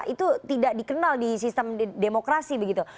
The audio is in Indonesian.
itu tidak dikenal di sistem demokrasi begitu